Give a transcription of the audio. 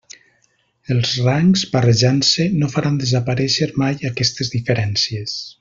Els rangs, barrejant-se, no faran desaparèixer mai aquestes diferències.